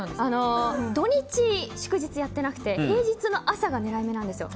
土日祝日やってなくて平日の朝が狙い目なんですよ。